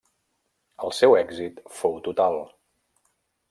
El seu èxit fou total.